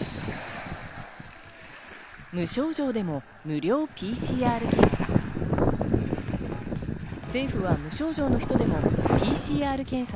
無症状でも無料ＰＣＲ検査。